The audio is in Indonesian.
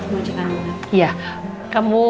mau cek anak anak